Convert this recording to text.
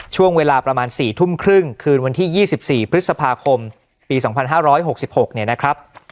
ช่วงเวลาประมาณ๔ทุ่มครึ่งคืนวันที่๒๔พฤษภาคมปี๒๕๖๖เนี่ยนะครับ